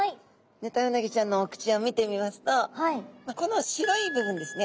ヌタウナギちゃんのお口を見てみますとこの白いぶぶんですね。